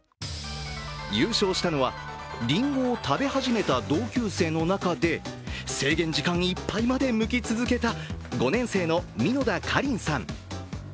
優勝したのはりんごを食べ始めた同級生の中で制限時間いっぱいまでむき続けた５年生の蓑田かりんさん。